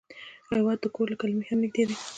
هېواد د کور له کلمې هم نږدې دی.